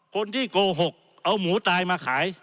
คนที่โกหกเอาหมูตายมาขาย